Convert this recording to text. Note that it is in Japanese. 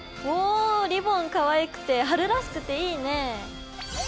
おリボンかわいくて春らしくていいね！